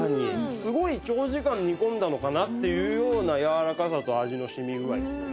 すごい長時間煮込んだのかなっていうようなやわらかさと味の染み具合ですよね。